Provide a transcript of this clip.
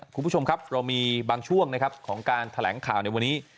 คุณผู้ชมครับเรามีบางช่วงนะครับของการแถลงข่าวในวันนี้